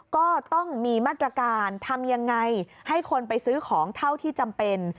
ก็ต้องมีมาตรการทำยังไงให้คนไปซื้อของเท่าที่จำเป็น